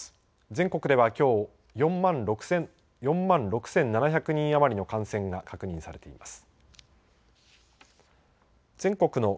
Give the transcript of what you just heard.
全国ではきょう４万６７００人余りの感染が確認されています。